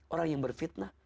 orang yang berfitnah